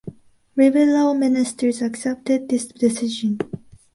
Liberal ministers accepted this decision.